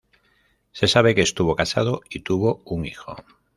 Se sabe que estuvo casado y tuvo un hijo.